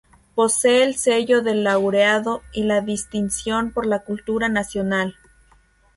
Posee el sello de Laureado y la Distinción por la Cultura Nacional.